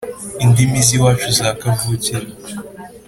indimi z iwacu za kavukire